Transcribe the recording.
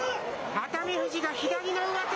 熱海富士が左の上手。